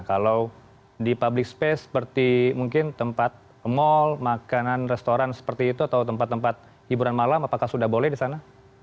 kalau di public space seperti mungkin tempat mall makanan restoran seperti itu atau tempat tempat hiburan malam apakah sudah boleh di sana